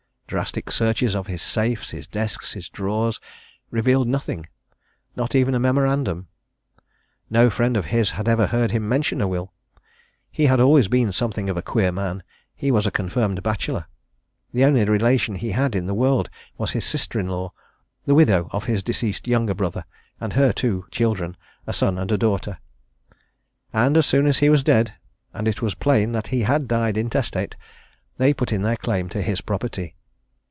Drastic search of his safes, his desks, his drawers revealed nothing not even a memorandum. No friend of his had ever heard him mention a will. He had always been something of a queer man. He was a confirmed bachelor. The only relation he had in the world was his sister in law, the widow of his deceased younger brother, and her two children a son and a daughter. And as soon as he was dead, and it was plain that he had died intestate, they put in their claim to his property.